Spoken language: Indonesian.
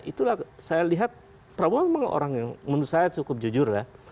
itulah saya lihat prabowo memang orang yang menurut saya cukup jujur ya